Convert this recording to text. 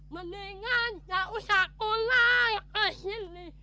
mendingan gak usah pulang ke sini